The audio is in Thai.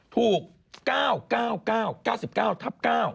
ถูก๙๙๙๙๙๙ทับ๙